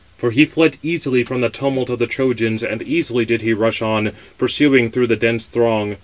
For he fled easily from the tumult of the Trojans, and easily did he rush on, pursuing through the dense throng.